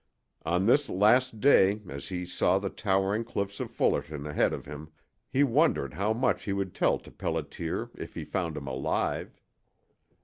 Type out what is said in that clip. On this last day, as he saw the towering cliffs of Fullerton ahead of him, he wondered how much he would tell to Pelliter if he found him alive.